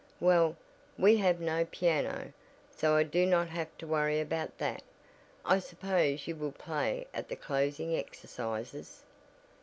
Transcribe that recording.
"Well, we have no piano, so I do not have to worry about that. I suppose you will play at the closing exercises?"